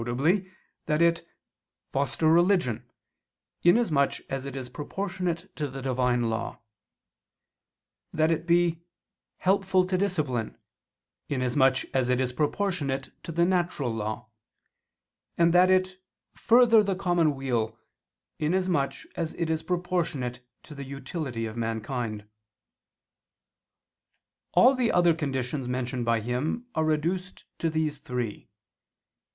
that it "foster religion," inasmuch as it is proportionate to the Divine law; that it be "helpful to discipline," inasmuch as it is proportionate to the nature law; and that it "further the common weal," inasmuch as it is proportionate to the utility of mankind. All the other conditions mentioned by him are reduced to these three.